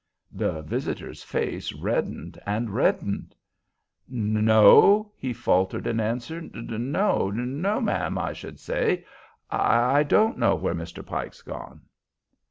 The visitor's face reddened and reddened. "No," he faltered in answer; "no—no—ma'am, I should say. I—I don't know where Mr. Pike's gone."